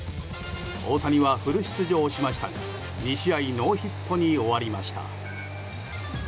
大谷はフル出場しましたが２試合ノーヒットに終わりました。